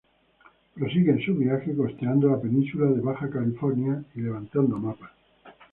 Prosiguen su viaje costeando la península de Baja California y levantando mapas.